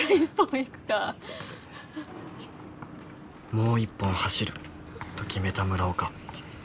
「もう一本走る」と決めた村岡。